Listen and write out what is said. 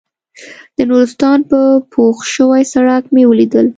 د نورستان په پوخ شوي سړک مې ولیدل.